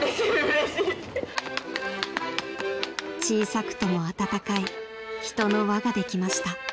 ［小さくとも温かい人の輪ができました］